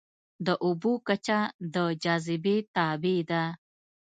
د اوبو کچه د جاذبې تابع ده.